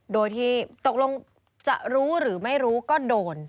โดยที่ตกลงจะรู้หรือไม่รู้ก็โดน